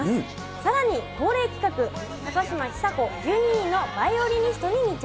さらに恒例企画、高嶋ちさ子１２人のヴァイオリニストに密着。